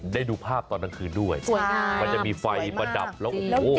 ได้ดูภาพตอนนักคืนด้วยมันจะมีไฟประดับแล้วโอ้โห